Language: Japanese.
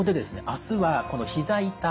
あすはひざ痛